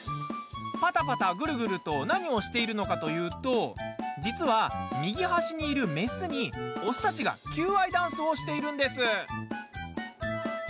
パタパタ、グルグルと何をしているかというと実は右端にいる雌に、雄たちが求愛ダンスをしているんです。